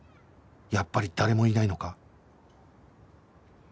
やっぱり誰もいないのか？